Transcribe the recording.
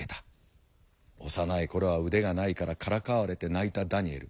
幼い頃は腕がないからからかわれて泣いたダニエル。